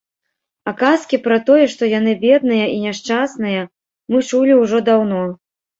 А казкі пра тое, што яны бедныя і няшчасныя, мы чулі ўжо даўно.